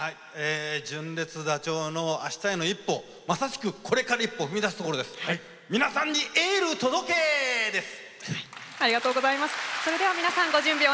純烈ダチョウのまさしく、これから一歩を踏み出すところで皆さんにエール届け！です。